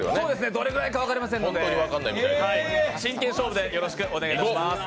どれぐらいか分かりませんので、真剣勝負でよろしくお願いします。